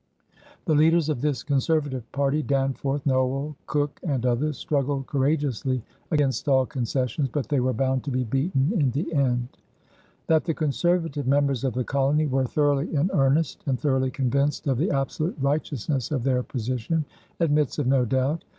The leaders of this conservative party, Danforth, Nowell, Cooke, and others, struggled courageously against all concessions, but they were bound to be beaten in the end. That the conservative members of the colony were thoroughly in earnest and thoroughly convinced of the absolute righteousness of their position, admits of no doubt.